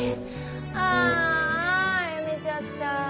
ああやめちゃった。